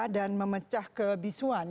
dan memecah kebisuan